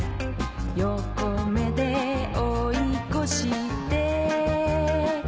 横目で追い越して